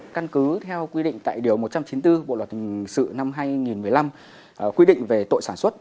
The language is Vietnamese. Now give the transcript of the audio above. căn cứ theo quy định tại điều một trăm chín mươi bốn bộ luật hình sự năm hai nghìn một mươi năm quy định về tội sản xuất